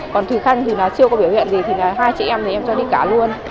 còn thủy khăn thì nó chưa có biểu hiện gì thì là hai chị em thì em cho đi cá luôn